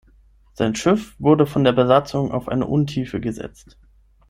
Sein Schiff wurde von der Besatzung auf eine Untiefe gesetzt.